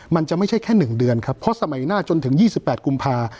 มันจะไม่ใช่แค่๑เดือนครับเพราะสมัยหน้าจนถึง๒๘กุมภา